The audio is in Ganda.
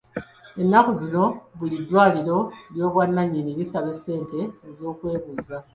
Ennaku zino buli ddwaliro ery'obwannannyini lisaba ssente z'okwebuuza.